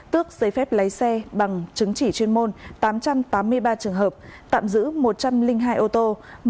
tước giấy phép lái xe bằng chứng chỉ chuyên môn tám trăm tám mươi ba trường hợp tạm giữ một trăm linh hai ô tô